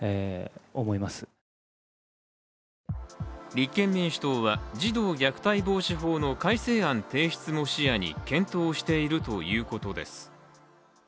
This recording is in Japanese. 立憲民主党は児童虐待防止法の改正案提出も視野に検討しているということです。